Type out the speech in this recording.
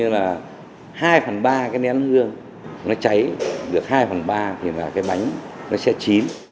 sau lớp lá đổi màu vì nước luộc là lớp vỏ bánh